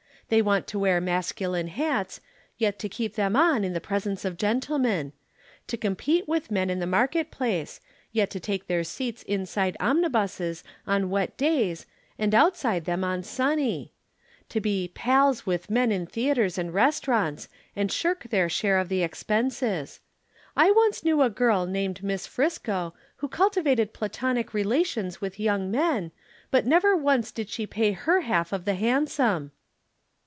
They want to wear masculine hats, yet to keep them on in the presence of gentlemen; to compete with men in the market place, yet to take their seats inside omnibuses on wet days and outside them on sunny; to be 'pals' with men in theatres and restaurants and shirk their share of the expenses. I once knew a girl named Miss Friscoe who cultivated Platonic relations with young men, but never once did she pay her half of the hansom."